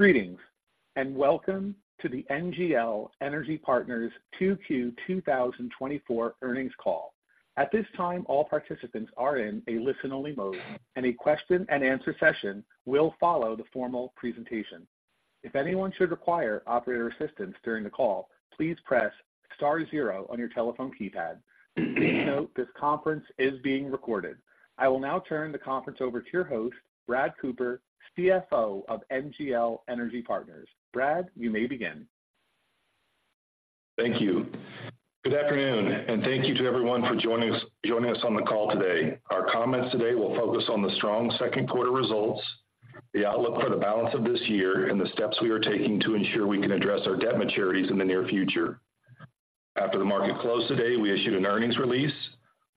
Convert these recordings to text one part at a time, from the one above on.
Greetings, and welcome to the NGL Energy Partners 2Q 2024 earnings call. At this time, all participants are in a listen-only mode, and a question-and-answer session will follow the formal presentation. If anyone should require operator assistance during the call, please press star zero on your telephone keypad. Please note, this conference is being recorded. I will now turn the conference over to your host, Brad Cooper, CFO of NGL Energy Partners. Brad, you may begin. Thank you. Good afternoon, and thank you to everyone for joining us, joining us on the call today. Our comments today will focus on the strong second quarter results, the outlook for the balance of this year, and the steps we are taking to ensure we can address our debt maturities in the near future. After the market closed today, we issued an earnings release,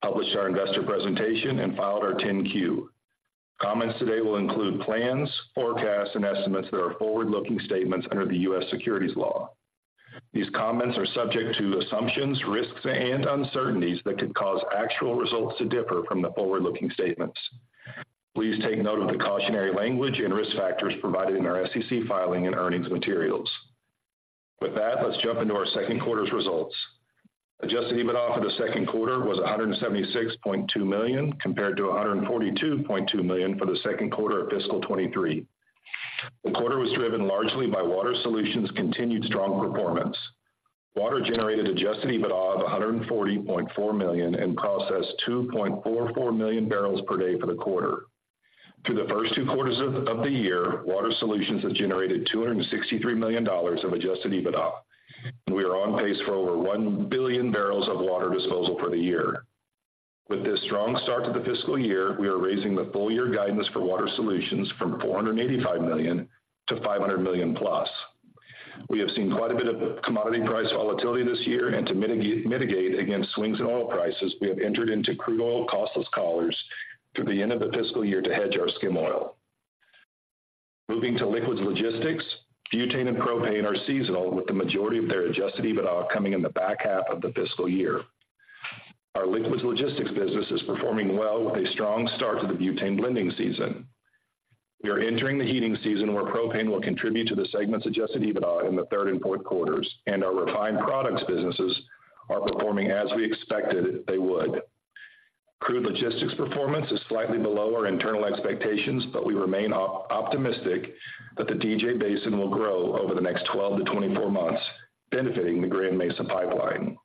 published our investor presentation, and filed our 10-Q. Comments today will include plans, forecasts, and estimates that are forward-looking statements under the U.S. securities law. These comments are subject to assumptions, risks, and uncertainties that could cause actual results to differ from the forward-looking statements. Please take note of the cautionary language and risk factors provided in our SEC filing and earnings materials. With that, let's jump into our second quarter's results. Adjusted EBITDA for the second quarter was $176.2 million, compared to $142.2 million for the second quarter of fiscal 2023. The quarter was driven largely by Water Solutions' continued strong performance. Water generated Adjusted EBITDA of $140.4 million and processed 2.44 million barrels per day for the quarter. Through the first two quarters of the year, Water Solutions has generated $263 million in Adjusted EBITDA. We are on pace for over 1 billion barrels of water disposal for the year. With this strong start to the fiscal year, we are raising the full year guidance for Water Solutions from $485 million to $500 million plus. We have seen quite a bit of commodity price volatility this year, and to mitigate against swings in oil prices, we have entered into crude oil costless collars through the end of the fiscal year to hedge our skim oil. Moving to Liquids Logistics, butane and propane are seasonal, with the majority of their Adjusted EBITDA coming in the back half of the fiscal year. Our Liquids Logistics business is performing well with a strong start to the butane blending season. We are entering the heating season, where propane will contribute to the segment's Adjusted EBITDA in the third and fourth quarters, and our refined products businesses are performing as we expected they would. Crude Logistics performance is slightly below our internal expectations, but we remain optimistic that the DJ Basin will grow over the next 12 to 24 months, benefiting the Grand Mesa Pipeline.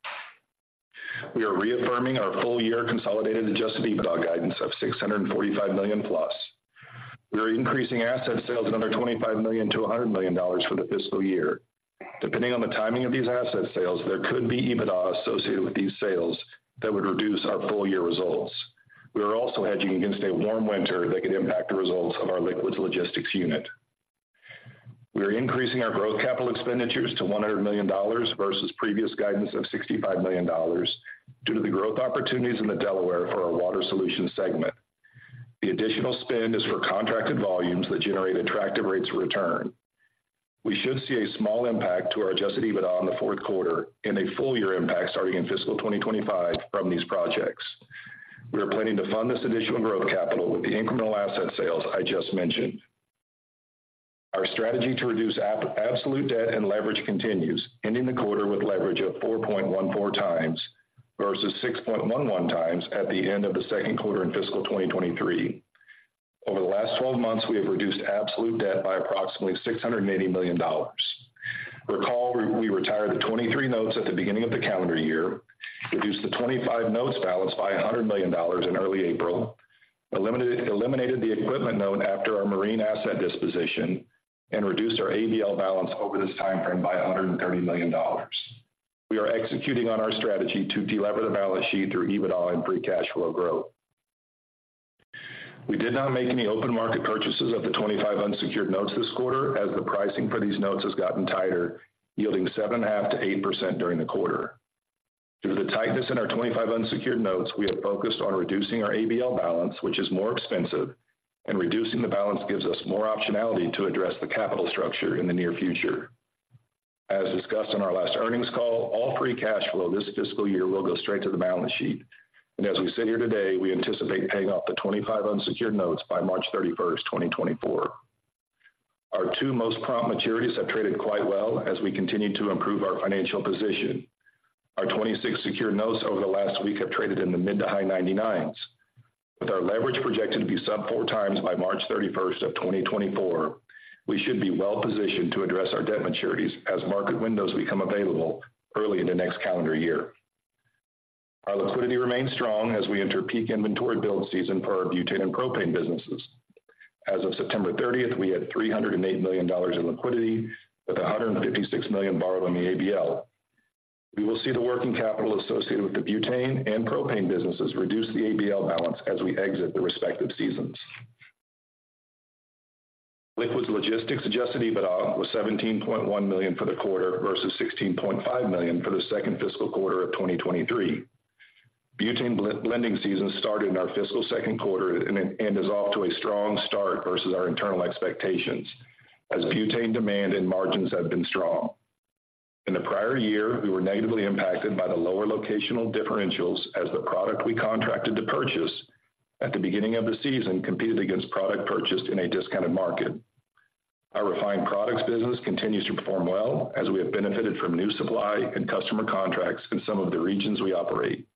We are reaffirming our full-year consolidated Adjusted EBITDA guidance of $645 million+. We are increasing asset sales another $25 million-$100 million for the fiscal year. Depending on the timing of these asset sales, there could be EBITDA associated with these sales that would reduce our full-year results. We are also hedging against a warm winter that could impact the results of our Liquids Logistics unit. We are increasing our growth capital expenditures to $100 million versus previous guidance of $65 million, due to the growth opportunities in the Delaware for our Water Solutions segment. The additional spend is for contracted volumes that generate attractive rates of return. We should see a small impact to our Adjusted EBITDA in the fourth quarter and a full year impact starting in fiscal 2025 from these projects. We are planning to fund this additional growth capital with the incremental asset sales I just mentioned. Our strategy to reduce absolute debt and leverage continues, ending the quarter with leverage of 4.14 times versus 6.11 times at the end of the second quarter in fiscal 2023. Over the last 12 months, we have reduced absolute debt by approximately $680 million. Recall, we retired the 2023 notes at the beginning of the calendar year, reduced the 2025 notes balance by $100 million in early April, eliminated the equipment note after our marine asset disposition, and reduced our ABL balance over this timeframe by $130 million. We are executing on our strategy to delever the balance sheet through EBITDA and free cash flow growth. We did not make any open market purchases of the 25 unsecured notes this quarter, as the pricing for these notes has gotten tighter, yielding 7.5%-8% during the quarter. Due to the tightness in our 25 unsecured notes, we have focused on reducing our ABL balance, which is more expensive, and reducing the balance gives us more optionality to address the capital structure in the near future. As discussed on our last earnings call, all free cash flow this fiscal year will go straight to the balance sheet. And as we sit here today, we anticipate paying off the 25 unsecured notes by March 31st, 2024. Our two most prompt maturities have traded quite well as we continue to improve our financial position. Our 26 secured notes over the last week have traded in the mid- to high-99s. With our leverage projected to be sub-4x by March 31st, 2024, we should be well positioned to address our debt maturities as market windows become available early in the next calendar year. Our liquidity remains strong as we enter peak inventory build season for our butane and propane businesses. As of September 30th, we had $308 million in liquidity, with $156 million borrowed on the ABL. We will see the working capital associated with the butane and propane businesses reduce the ABL balance as we exit the respective seasons. Liquids Logistics Adjusted EBITDA was $17.1 million for the quarter, versus $16.5 million for the second fiscal quarter of 2023. Butane blending season started in our fiscal second quarter and is off to a strong start versus our internal expectations, as butane demand and margins have been strong. In the prior year, we were negatively impacted by the lower locational differentials as the product we contracted to purchase at the beginning of the season competed against product purchased in a discounted market. Our refined products business continues to perform well, as we have benefited from new supply and customer contracts in some of the regions we operate.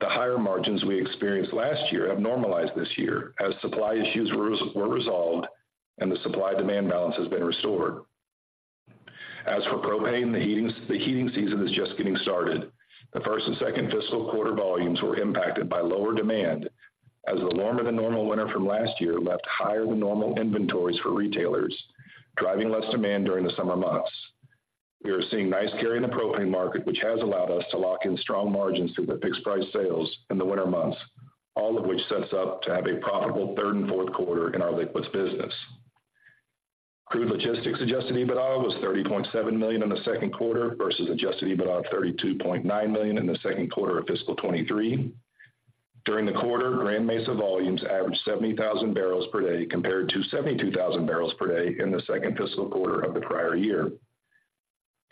The higher margins we experienced last year have normalized this year as supply issues were resolved and the supply-demand balance has been restored. As for propane, the heating season is just getting started. The first and second fiscal quarter volumes were impacted by lower demand as the warmer than normal winter from last year left higher than normal inventories for retailers, driving less demand during the summer months. We are seeing nice carry in the propane market, which has allowed us to lock in strong margins through the fixed-price sales in the winter months, all of which sets up to have a profitable third and fourth quarter in our liquids business. Crude Logistics Adjusted EBITDA was $30.7 million in the second quarter versus Adjusted EBITDA of $32.9 million in the second quarter of fiscal 2023. During the quarter, Grand Mesa volumes averaged 70,000 barrels per day, compared to 72,000 barrels per day in the second fiscal quarter of the prior year.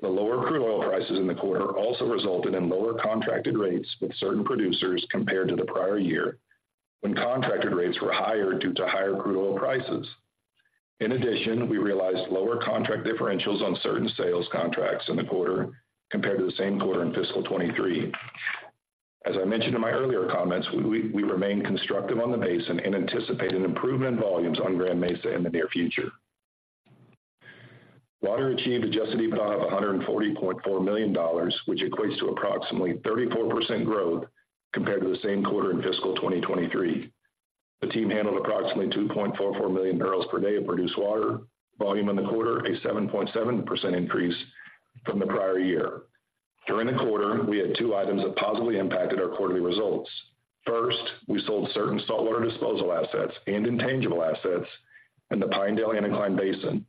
The lower crude oil prices in the quarter also resulted in lower contracted rates with certain producers compared to the prior year, when contracted rates were higher due to higher crude oil prices. In addition, we realized lower contract differentials on certain sales contracts in the quarter compared to the same quarter in fiscal 2023. As I mentioned in my earlier comments, we remain constructive on the basin and anticipate an improvement in volumes on Grand Mesa in the near future. Water achieved Adjusted EBITDA of $140.4 million, which equates to approximately 34% growth compared to the same quarter in fiscal 2023. The team handled approximately 2.44 million barrels per day of produced water volume in the quarter, a 7.7% increase from the prior year. During the quarter, we had two items that positively impacted our quarterly results. First, we sold certain saltwater disposal assets and intangible assets in the Pinedale Anticline Basin.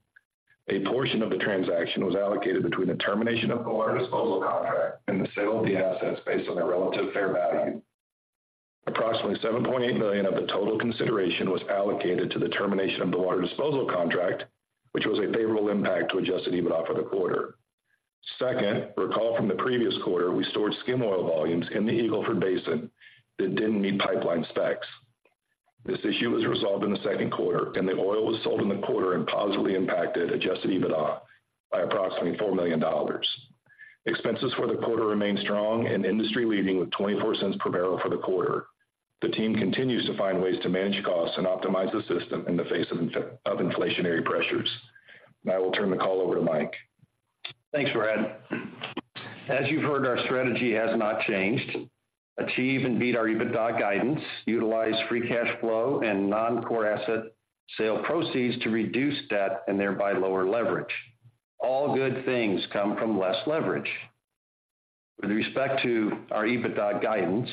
A portion of the transaction was allocated between the termination of the water disposal contract and the sale of the assets based on their relative fair value. Approximately $7.8 million of the total consideration was allocated to the termination of the water disposal contract, which was a favorable impact to Adjusted EBITDA for the quarter. Second, recall from the previous quarter, we stored skim oil volumes in the Eagle Ford Basin that didn't meet pipeline specs. This issue was resolved in the second quarter, and the oil was sold in the quarter and positively impacted Adjusted EBITDA by approximately $4 million. Expenses for the quarter remained strong and industry-leading with $0.24 per barrel for the quarter. The team continues to find ways to manage costs and optimize the system in the face of inflationary pressures. Now I will turn the call over to Mike. Thanks, Brad. As you've heard, our strategy has not changed. Achieve and beat our EBITDA guidance, utilize free cash flow and noncore asset sale proceeds to reduce debt and thereby lower leverage. All good things come from less leverage. With respect to our EBITDA guidance,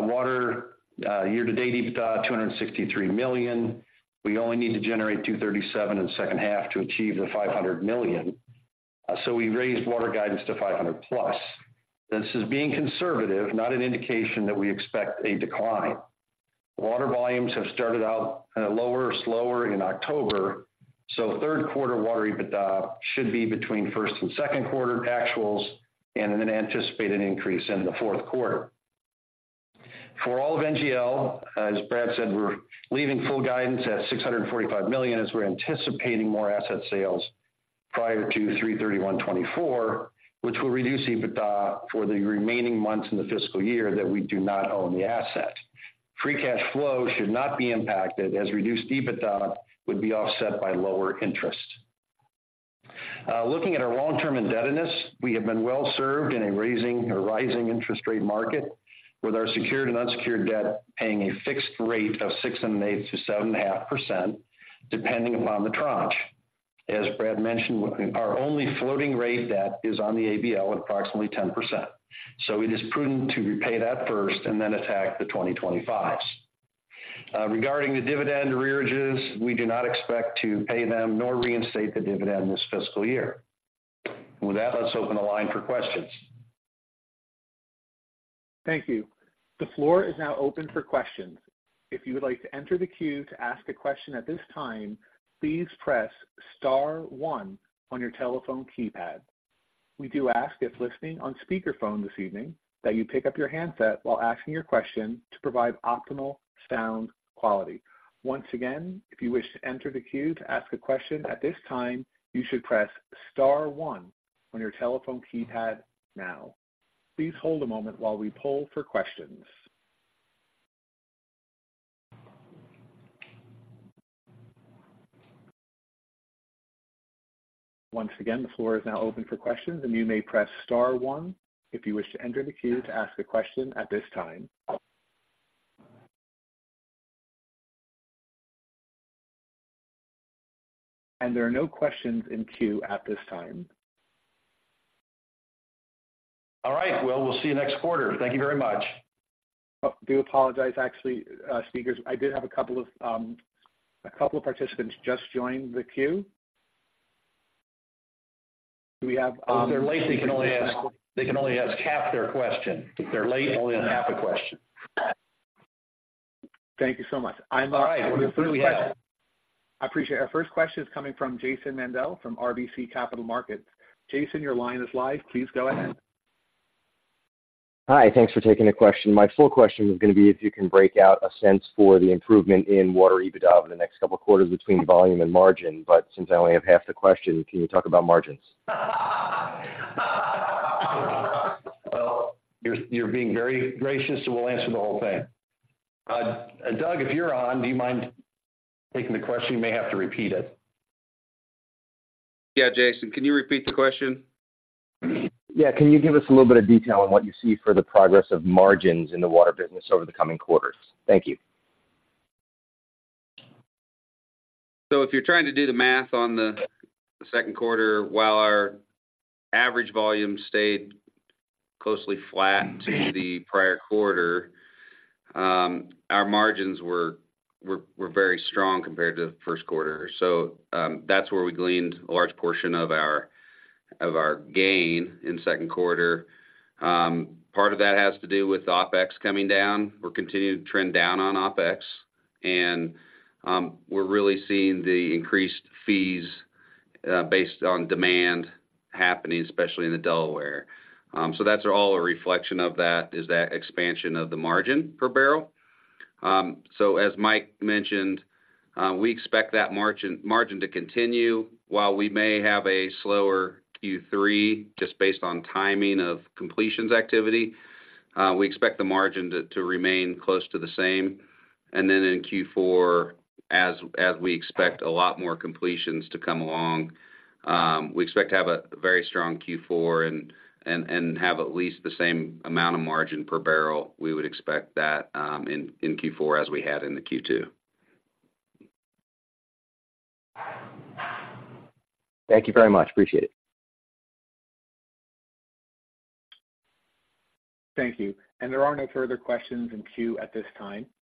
water, year-to-date EBITDA, $263 million. We only need to generate $237 million in the second half to achieve the $500 million, so we raised water guidance to $500 million+. This is being conservative, not an indication that we expect a decline. Water volumes have started out kind of lower, slower in October, so third quarter water EBITDA should be between first and second quarter actuals, and then an anticipated increase in the fourth quarter. For all of NGL, as Brad said, we're leaving full guidance at $645 million, as we're anticipating more asset sales prior to 3/31/2024, which will reduce EBITDA for the remaining months in the fiscal year that we do not own the asset. Free cash flow should not be impacted, as reduced EBITDA would be offset by lower interest. Looking at our long-term indebtedness, we have been well served in a rising interest rate market, with our secured and unsecured debt paying a fixed rate of 6 1/8%-7.5%, depending upon the tranche. As Brad mentioned, our only floating rate debt is on the ABL, approximately 10%, so it is prudent to repay that first and then attack the 2025s. Regarding the dividend arrearages, we do not expect to pay them nor reinstate the dividend this fiscal year. With that, let's open the line for questions. Thank you. The floor is now open for questions. If you would like to enter the queue to ask a question at this time, please press star one on your telephone keypad. We do ask, if listening on speakerphone this evening, that you pick up your handset while asking your question to provide optimal sound quality. Once again, if you wish to enter the queue to ask a question at this time, you should press star one on your telephone keypad now. Please hold a moment while we poll for questions. Once again, the floor is now open for questions, and you may press star one if you wish to enter the queue to ask a question at this time. There are no questions in queue at this time. All right, well, we'll see you next quarter. Thank you very much. Oh, I do apologize. Actually, speakers, I did have a couple of, a couple of participants just join the queue. Do we have, If they're late, they can only ask, they can only ask half their question. If they're late, only half a question. Thank you so much. I'm up. I appreciate it. Our first question is coming from Jason Mandel from RBC Capital Markets. Jason, your line is live. Please go ahead. Hi. Thanks for taking the question. My full question was going to be if you can break out a sense for the improvement in water EBITDA over the next couple of quarters between volume and margin, but since I only have half the question, can you talk about margins? Well, you're, you're being very gracious, so we'll answer the whole thing. Doug, if you're on, do you mind taking the question? You may have to repeat it. Yeah, Jason, can you repeat the question? Yeah. Can you give us a little bit of detail on what you see for the progress of margins in the water business over the coming quarters? Thank you. So if you're trying to do the math on the second quarter, while our average volume stayed closely flat to the prior quarter, our margins were very strong compared to the first quarter. So, that's where we gleaned a large portion of our gain in second quarter. Part of that has to do with the OpEx coming down. We're continuing to trend down on OpEx, and we're really seeing the increased fees based on demand happening, especially in the Delaware. So that's all a reflection of that, is that expansion of the margin per barrel. So as Mike mentioned, we expect that margin to continue. While we may have a slower Q3, just based on timing of completions activity, we expect the margin to remain close to the same. And then in Q4, as we expect a lot more completions to come along, we expect to have a very strong Q4 and have at least the same amount of margin per barrel. We would expect that, in Q4 as we had in the Q2. Thank you very much. Appreciate it. Thank you. And there are no further questions in queue at this time.